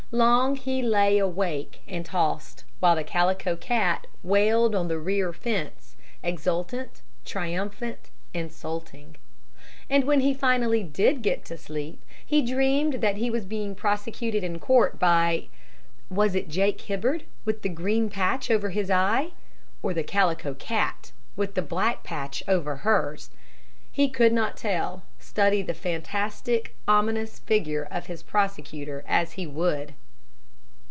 Long he lay awake and tossed, while the Calico Cat wailed on the rear fence exultant, triumphant, insulting. And when he did finally get to sleep, he dreamed that he was being prosecuted in court by was it Jake Hibbard, with the green patch over his eye, or the Calico Cat, with the black patch over hers? He could not tell, study the fantastic, ominous figure of his prosecutor as he would!